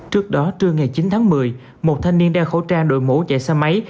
trước đó trưa ngày chín tháng một mươi một thanh niên đeo khẩu trang đội mũ chạy xe máy